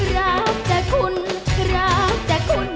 รักจักคุณรักจักคุณ